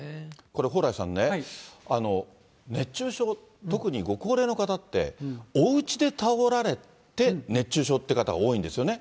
これ、蓬莱さんね、熱中症、特にご高齢の方って、おうちで倒れられて熱中症って方、多いんですよね。